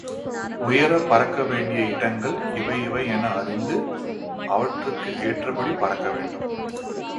உயரப் பறக்க வேண்டிய இடங்கள் இவை இவை என அறிந்து, அவற்றிற்கு ஏற்றபடி பறக்க வேண்டும்.